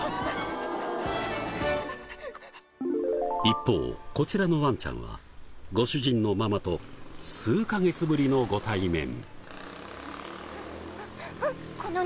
一方こちらのワンちゃんはご主人のママと数カ月ぶりのご対面。